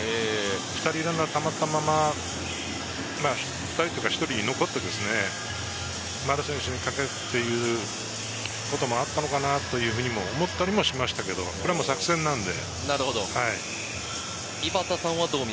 ２人ランナーがたまったまま１人残って、丸選手にかけるということもあったのかなと思ったりしましたけれど、これは作戦なので。